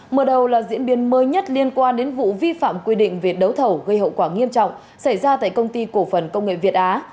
mở đầu là diễn biến mới nhất liên quan đến vụ vi phạm quy định về đấu thầu gây hậu quả nghiêm trọng xảy ra tại công ty cổ phần công nghệ việt á